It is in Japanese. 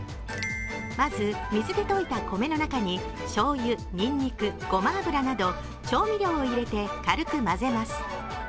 まず、水でといた米の中にしょうゆ、にんにく、ごま油など調味料を入れて、軽く混ぜます。